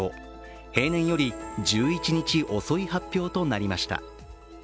平年より１１日遅い発表となりました。